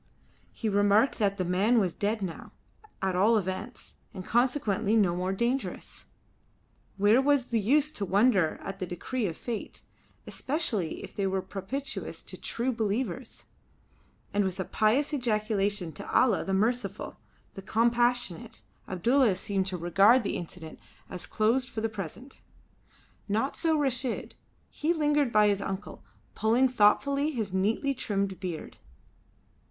He remarked that the man was dead now at all events, and consequently no more dangerous. Where was the use to wonder at the decrees of Fate, especially if they were propitious to the True Believers? And with a pious ejaculation to Allah the Merciful, the Compassionate, Abdulla seemed to regard the incident as closed for the present. Not so Reshid. He lingered by his uncle, pulling thoughtfully his neatly trimmed beard.